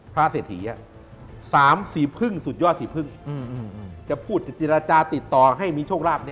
เศรษฐี๓สีพึ่งสุดยอดสีพึ่งจะพูดจะเจรจาติดต่อให้มีโชคลาภ